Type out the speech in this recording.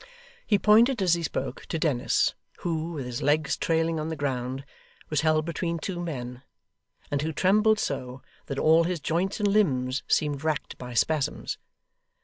He pointed, as he spoke, to Dennis, who, with his legs trailing on the ground, was held between two men; and who trembled so, that all his joints and limbs seemed racked by spasms.